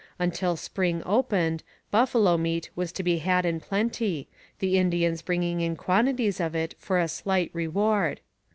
Until spring opened, buffalo meat was to be had in plenty, the Indians bringing in quantities of it for a slight reward.